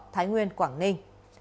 thái nguyên quảng ninh